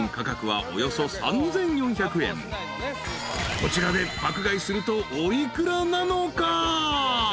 ［こちらで爆買いするとお幾らなのか？］